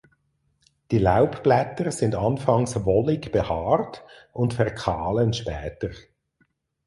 Die Laubblätter sind anfangs wollig behaart und verkahlen später.